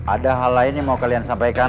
ada hal lain yang mau kalian sampaikan